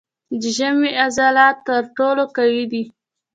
د ژامې عضلات تر ټولو قوي دي.